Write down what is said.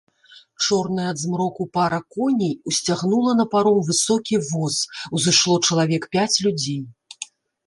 Чорная ад змроку пара коней усцягнула на паром высокі воз, узышло чалавек пяць людзей.